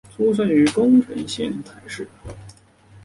出身于宫城县仙台市。